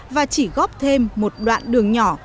và chỉ góp thêm một đoạn đường nhỏ